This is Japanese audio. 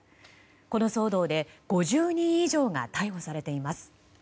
この騒動で５０人以上が逮捕されています。